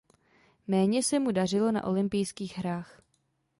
Méně se mu dařilo na olympijských hrách.